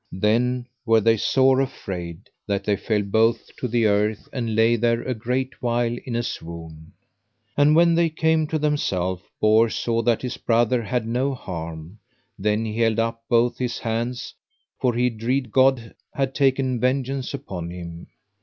Then were they sore afraid, that they fell both to the earth, and lay there a great while in a swoon. And when they came to themself, Bors saw that his brother had no harm; then he held up both his hands, for he dread God had taken vengeance upon him.